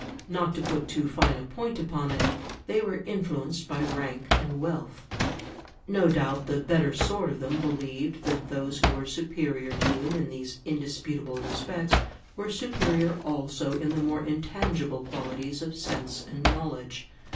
Not to put too fine a point upon it, they were influenced by rank and wealth. No doubt the better sort of them believed that those who were superior to them in these indisputable respects were superior also in the more intangible qualities of sense and knowledge.